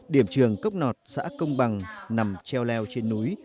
điểm trường cốc nọt xã công bằng nằm treo leo trên núi